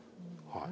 はい。